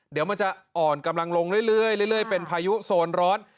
เดี๋ยวมันจะอ่อนกำลังลงเรื่อยเป็นพายุโซนร้อน